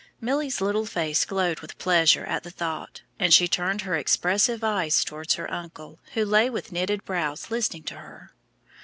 Milly's little face glowed with pleasure at the thought, and she turned her expressive eyes toward her uncle, who lay with knitted brows listening to her.